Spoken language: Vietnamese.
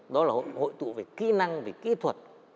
đó là hội tụ về kỹ năng về kỹ thuật